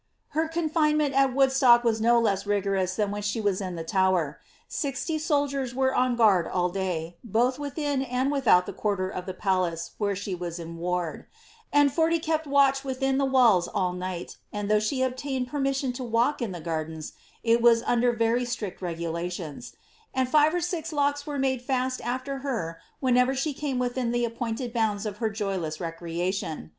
*' Her confinement at Woodstock was no less rigorous than when she was in the Tower. Sixty soldiers were on guard all day, both withm and without the quarter c^ the palace where she was in ward ; and forty kept watch within the walls all night ; and though she obtained per mission to walk iu the gsrdens, it waa under very strict regulations , and five or sick locks were made last after her whenever she came within the appointed bounds for her joyless recreation.